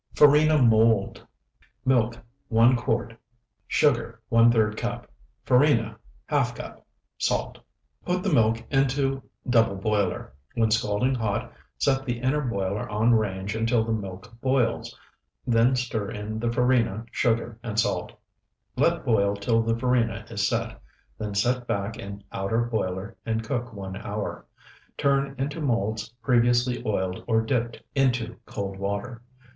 FARINA MOLD Milk, 1 quart. Sugar, ⅓ cup. Farina, ½ cup. Salt. Put the milk into double boiler; when scalding hot, set the inner boiler on range until the milk boils; then stir in the farina, sugar, and salt. Let boil till the farina is set, then set back in outer boiler and cook one hour. Turn into molds previously oiled or dipped into cold water.